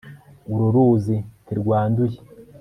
Uru ruzi ntirwanduye